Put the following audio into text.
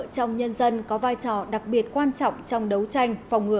trong nhân dân có vai trò đặc biệt quan trọng trong đấu tranh phòng ngừa